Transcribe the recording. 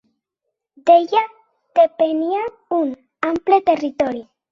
D'ella depenia un ample territori.